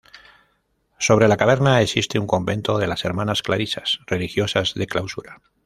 Sobre la caverna existe un convento de las hermanas clarisas, religiosas de clausura.